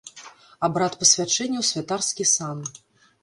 Абрад пасвячэння ў святарскі сан.